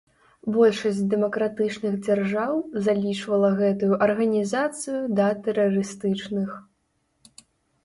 Большасць дэмакратычных дзяржаў залічвала гэтую арганізацыю да тэрарыстычных.